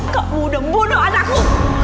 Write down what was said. kamu udah bunuh anakku